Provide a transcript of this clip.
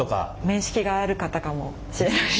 面識がある方かもしれない。